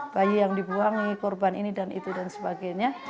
bayi yang dibuangi korban ini dan itu dan sebagainya